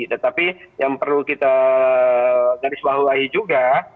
tetapi yang perlu kita garisbahuahi juga